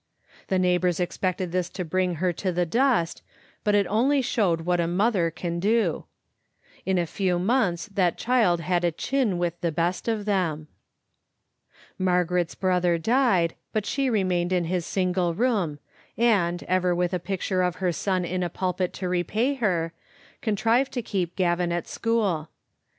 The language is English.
The neighbors expected this to bring her to the dust, but it only, showed what a mother can do. In a few months that child had a chin with the best of them. Margaret's brother died, but she remained in his single room, and, ever with a picture of her son in a pulpit to repay her, contrived to keep Gavin at school.